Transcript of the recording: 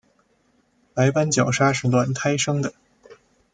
白斑角鲨是卵胎生的。